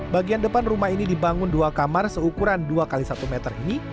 bagian depan rumah ini dibangun dua kamar seukuran dua x satu meter ini